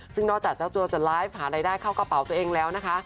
ซึ่งนอกจากเจ้าตัวจะไลฟ์หารายได้เข้ากระเป๋าตัวเองแล้วนะคะ